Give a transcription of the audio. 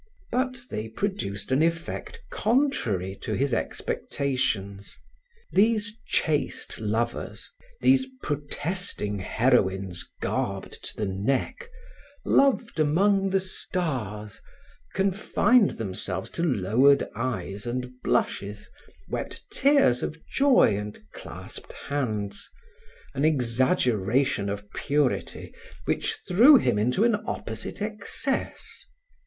But they produced an effect contrary to his expectations. These chaste lovers, these protesting heroines garbed to the neck, loved among the stars, confined themselves to lowered eyes and blushes, wept tears of joy and clasped hands an exaggeration of purity which threw him into an opposite excess.